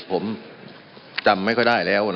มันมีมาต่อเนื่องมีเหตุการณ์ที่ไม่เคยเกิดขึ้น